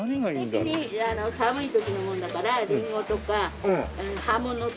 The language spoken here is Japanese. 時期的に寒い時のもんだからりんごとか葉物とか。